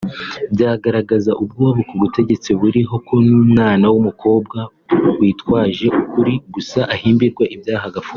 byagaragaza ubwoba ku butegetsi buriho ko n’umwana w’umukobwa witwaje ukuri gusa ahimbirwa ibyaha agafungwa